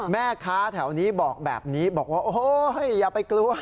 แม่ค้าแถวนี้บอกแบบนี้บอกว่าโอ๊ยอย่าไปกลัว